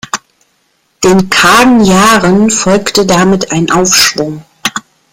Den kargen Jahren folgte damit ein Aufschwung.